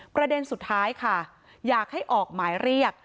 ประเด็นสุดท้ายค่ะอยากให้ออกหมายเรียก